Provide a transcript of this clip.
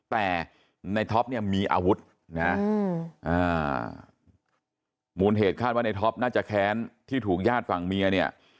แต่ในท็อปเนี่ยมีอาวุธนะมูลเหตุคาดว่าในท็อปน่าจะแค้นที่ถูกญาติฝั่งเมียเนี่ย